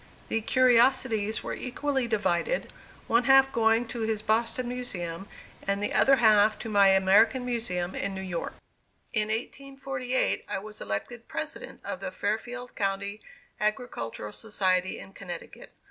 The curiosities were equally divided, one half going to his Boston Museum and the other half to my American Museum in New York. In 1848 I was elected President of the Fairfield County Agricultural Society in Connecticut.